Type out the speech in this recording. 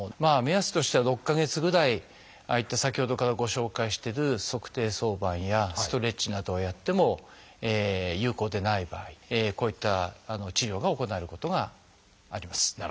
目安としては６か月ぐらいああいった先ほどからご紹介してる足底挿板やストレッチなどをやっても有効でない場合こういった治療が行われることがあります。